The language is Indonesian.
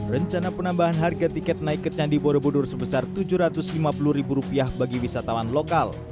rencana penambahan harga tiket naik ke candi borobudur sebesar tujuh ratus lima puluh ribu rupiah bagi wisatawan lokal